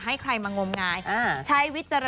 แต่มีนักแสดงคนนึงเดินเข้ามาหาผมบอกว่าขอบคุณพี่แมนมากเลย